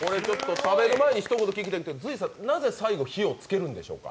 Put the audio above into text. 食べる前にひと言聞きたいんですけどなぜ最後、火をつけるんでしょうか？